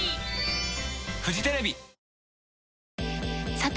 さて！